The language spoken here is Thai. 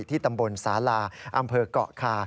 ที่ตำบลศาลาอำเภอกขค